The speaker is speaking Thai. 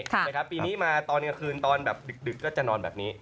ตอนแห่งดกนี้ครับปีนี้มาตอน์คืนตอนแบบดึกก็จะนอนแบบนี้